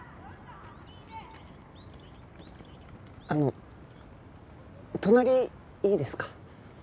あの隣いいですか？